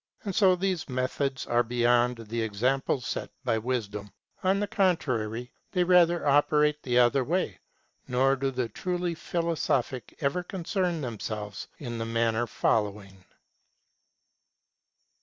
And so these methods are beyond the examples set by wisdom ; on the contrary, they rather operate the other way, nor do the truly philosophic ever concern themselves in the manners following.